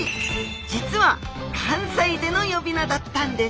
実は関西での呼び名だったんです。